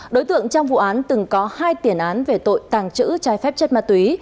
đối tượng trong vụ án từng có hai tiền án về tội tàng trữ trái phép chất ma túy